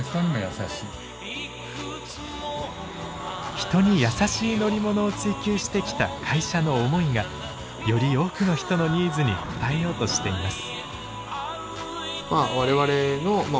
人に優しい乗り物を追求してきた会社の思いがより多くの人のニーズに応えようとしています。